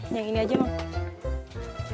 yang ini aja mang